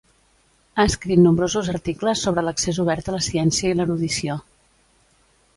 Ha escrit nombrosos articles sobre l'accés obert a la ciència i l'erudició.